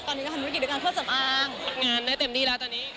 งานได้เต็มที่แล้วตอนนี้